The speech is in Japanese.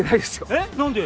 えっ何で？